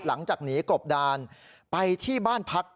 หลังจากหนีกบดานไปที่บ้านพัก